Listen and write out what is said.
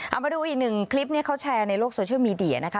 เอามาดูอีกหนึ่งคลิปนี้เขาแชร์ในโลกโซเชียลมีเดียนะคะ